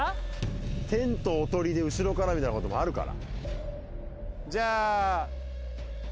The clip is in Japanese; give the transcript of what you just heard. テントおとりで、後ろからみたいなこともあるから。